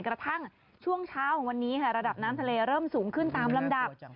กระทั่งช่วงเช้าของวันนี้ค่ะระดับน้ำทะเลเริ่มสูงขึ้นตามลำดับ